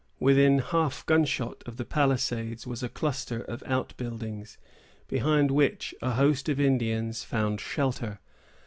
Within half gunshot of the palisades was a cluster of outbuildings, behind which a host of Indians found shelter.